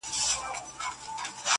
کاڼي په لمن کي لېوني عجیبه و ویل,